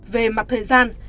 về mặt thời gian